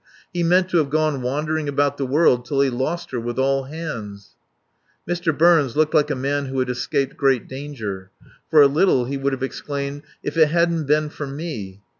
He meant to have gone wandering about the world till he lost her with all hands." Mr. Burns looked like a man who had escaped great danger. For a little he would have exclaimed: "If it hadn't been for me!"